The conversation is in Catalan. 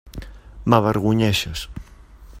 M'avergonyeixes.